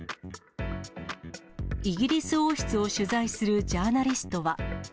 イギリス王室を取材するジャーナリストは。